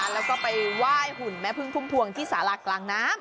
แล้วก็ไปไหว้หุ่นแม่พึ่งพุ่มพวงที่สารากลางน้ำ